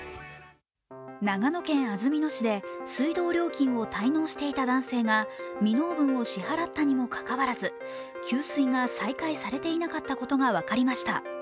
長野県安曇野市で水道料金を滞納していた男性が未納分を支払ったにもかかわらず、給水が再開されていなかったことが分かりました。